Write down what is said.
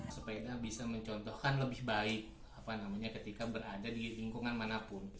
sepeda bisa mencontohkan lebih baik ketika berada di lingkungan manapun